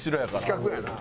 死角やな。